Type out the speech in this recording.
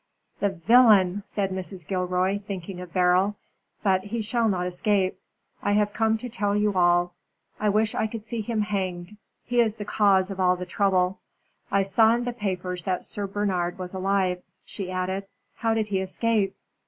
"The villain!" said Mrs. Gilroy, thinking of Beryl. "But he shall not escape. I have come to tell you all. I wish I could see him hanged. He is the cause of all the trouble. I saw in the papers that Sir Bernard was alive," she added; "how did he escape?"